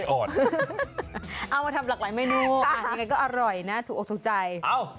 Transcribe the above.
เอามาทำหลักหลายเมนูอร่อยนะถูกอบทรงใจ